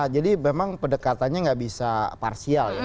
jadi memang pedekatannya tidak bisa parsial